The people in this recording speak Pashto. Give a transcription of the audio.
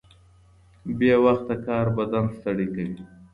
بې وخته کار بدن ستړی کوي.